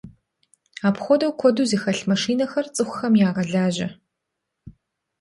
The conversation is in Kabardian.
Апхуэдэу куэду зэхэлъ машинэхэр цӀыхухэм ягъэлажьэ.